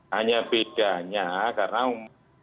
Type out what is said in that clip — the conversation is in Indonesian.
hanya bedanya karena